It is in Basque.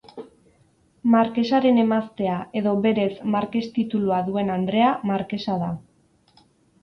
Markesaren emaztea edo berez markes titulua duen andrea markesa da.